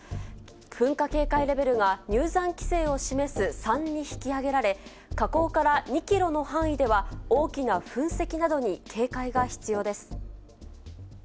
噴火警戒レベルが入山規制を示す３に引き上げられ、火口から２キロの範囲では、大きな噴石などに警戒が必要です。